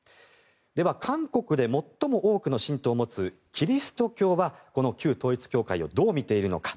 では韓国で最も多くの信徒を持つキリスト教はこの旧統一教会をどう見ているのか。